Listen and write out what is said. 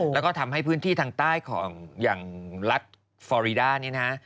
แล้วก็ทำให้พื้นที่ทางใต้ของอย่างรัฐฟอรีดานี่นะ